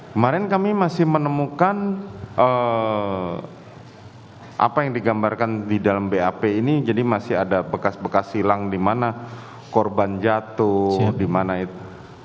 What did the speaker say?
kemarin kami masih menemukan apa yang digambarkan di dalam bap ini jadi masih ada bekas bekas silang di mana korban jatuh di mana itu